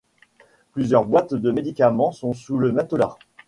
Plusieurs boites de médicaments sont sous le matelas.